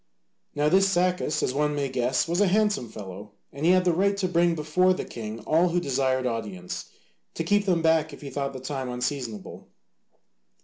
Now this Sacas, as one may guess, was a handsome fellow, and he had the right to bring before the king all who desired audience, to keep them back if he thought the time unseasonable.